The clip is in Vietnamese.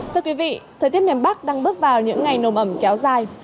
thưa quý vị thời tiết miền bắc đang bước vào những ngày nồm ẩm kéo dài